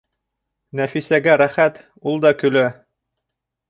Нәфисәгә рәхәт, ул да көлә.